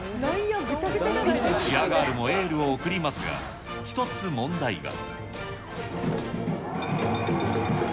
チアガールもエールを送りますが、１つ問題が。